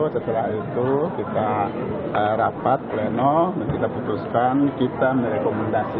setelah itu kita rapat pleno dan kita putuskan kita merekomendasi